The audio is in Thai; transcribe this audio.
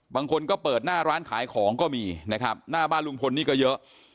บางคนก็เปิดหน้าร้านขายของก็มีนะครับหน้าบ้านลุงพลนี่ก็เยอะ